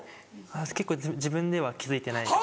結構自分では気付いてないです。